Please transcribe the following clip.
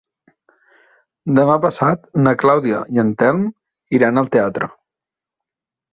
Demà passat na Clàudia i en Telm iran al teatre.